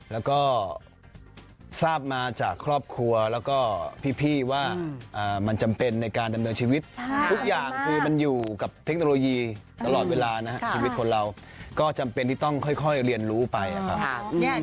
แล้วก็ทราบมาจากครอบครัวแล้วก็พี่ว่ามันจำเป็นในการดำเนินชีวิตทุกอย่างคือมันอยู่กับเทคโนโลยีตลอดเวลานะครับชีวิตคนเราก็จำเป็นที่ต้องค่อยเรียนรู้ไปครับ